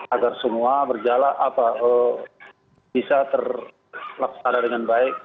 agar semua bisa terlaksana dengan baik